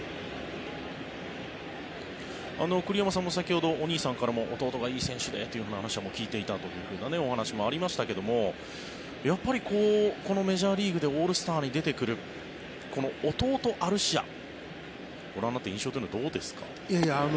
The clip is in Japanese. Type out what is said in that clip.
栗山さんも先ほどお兄さんからも弟がいい選手でという話は聞いていたというお話もありましたがやっぱり、このメジャーリーグでオールスターに出てくる弟アルシアご覧になって印象というのはどうですか？